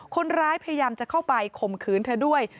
พยายามจะเข้าไปข่มขืนเธอด้วย